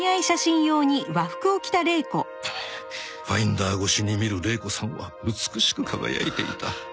ファインダー越しに見る礼子さんは美しく輝いていた。